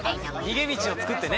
逃げ道をつくってね。